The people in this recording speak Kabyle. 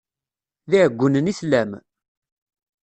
D iɛeggunen i tellam?